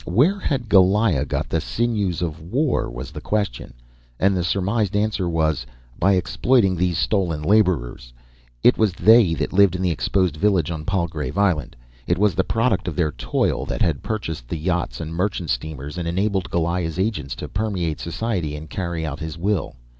Where had Goliah got the sinews of war? was the question. And the surmised answer was: By exploiting these stolen labourers. It was they that lived in the exposed village on Palgrave Island. It was the product of their toil that had purchased the yachts and merchant steamers and enabled Goliah's agents to permeate society and carry out his will.